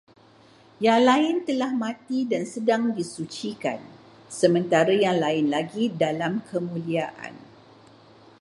Yang lain telah mati dan sedang disucikan, sementara yang lain lagi dalam kemuliaan